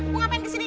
mau ngapain di sini